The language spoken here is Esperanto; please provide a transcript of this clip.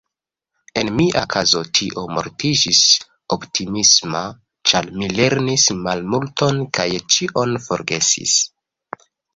En mia kazo tio montriĝis optimisma, ĉar mi lerrnis malmulton kaj ĉion forgesis.